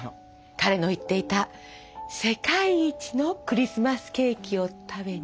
彼の言っていた世界一のクリスマスケーキを食べにね。